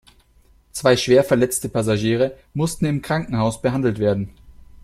Zwei schwer verletzte Passagiere mussten im Krankenhaus behandelt werden.